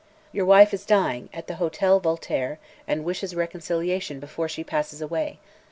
"Your wife is dying at the Hotel Voltaire and wishes reconciliation before she passes away.